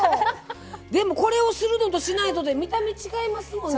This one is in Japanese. でも、これをするのとしないので見た目、違いますもんね。